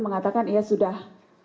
mengatakan ia sudah